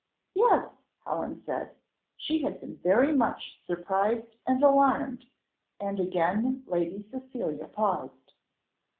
"Yes," Helen said, she had been very much surprised and alarmed; and again Lady Cecilia paused.